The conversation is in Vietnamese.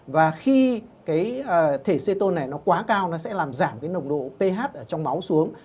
và khi cái thể cetone này nó quá cao nó sẽ làm giảm cái nồng độ ph trong máu xuống